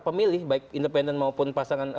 pemilih baik independen maupun pasangan